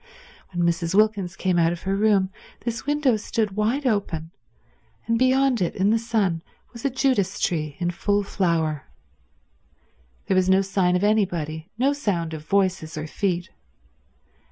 When Mrs. Wilkins came out of her room this window stood wide open, and beyond it in the sun was a Judas tree in full flower. There was no sign of anybody, no sound of voices or feet.